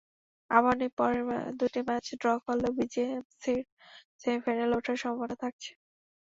আবাহনী পরের দুটি match draw করলেও বিজেএমসির সেমিফাইনালে ওঠার সম্ভাবনা থাকছে।